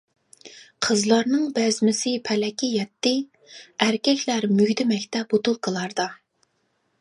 قىزلارنىڭ بەزمىسى پەلەككە يەتتى، ئەركەكلەر مۈگدىمەكتە بوتۇلكىلاردا.